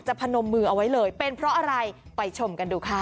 พนมมือเอาไว้เลยเป็นเพราะอะไรไปชมกันดูค่ะ